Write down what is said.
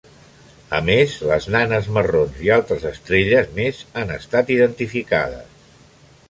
A més, les nanes marrons i altres estrelles més han estat identificades.